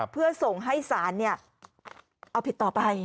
เพื่อส่งให้ศาลเอาผิดต่อไป